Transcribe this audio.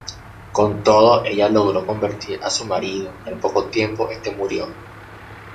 Con todo, ella logró convertir a su marido, y al poco tiempo, este murió.